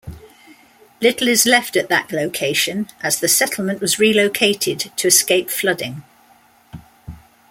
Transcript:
Little is left at that location as the settlement was relocated to escape flooding.